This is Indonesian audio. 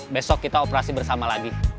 besok kita operasi bersama lagi